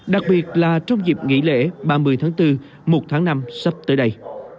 đặc biệt là trong dịp nghỉ lễ ba mươi tháng bốn một tháng năm sắp tới đây